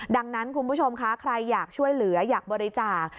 ดังนั้นคุณผู้ชมคะใครอยากช่วยเหลืออยากบริจาค